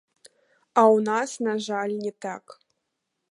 А ў нас, на жаль, не так.